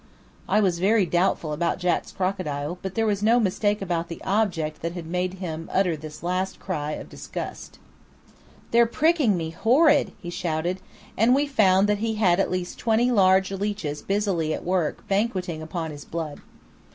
I was very doubtful about Jack's crocodile, but there was no mistake about the object that had made him utter this last cry of disgust. "They're pricking me horrid," he shouted; and we found that he had at least twenty large leeches busily at work banquetting upon his blood.